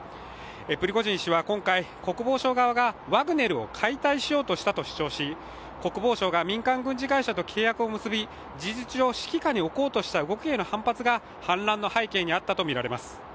プリゴジン氏は今回、国防省側がワグネルを解体しようとしたと主張し、国防省が民間軍事会社と契約を結び事実上、指揮下に置こうとした動きへの反発が反乱の背景にあったとみられます。